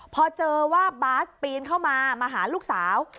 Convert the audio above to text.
พอเจอว่าบาสปีนเข้ามามาหาลูกสาว